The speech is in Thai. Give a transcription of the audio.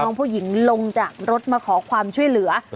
น้องผู้หญิงลงจากรถมาขอความช่วยเหลือ